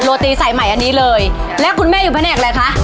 โรตีสายใหม่อันนี้เลยแล้วคุณแม่อยู่พระเนกอะไรคะ